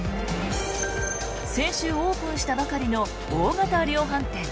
先週オープンしたばかりの大型量販店